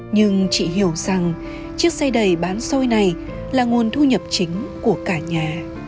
nhưng chị hiểu rằng chiếc xe đầy bán xôi này là nguồn thu nhập chính của cả nhà